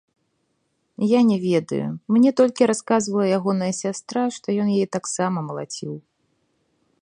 Я не ведаю, мне толькі расказвала ягоная сястра, што ён яе таксама малаціў.